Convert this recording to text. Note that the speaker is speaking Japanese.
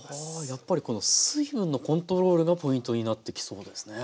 やっぱりこの水分のコントロールがポイントになってきそうですね。